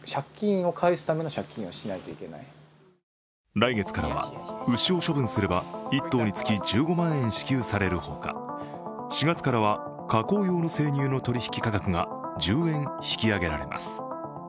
来月からは牛を処分すれば１頭につき１５万円支給されるほか４月からは加工用の生乳の取引価格が１０円引き上げられます。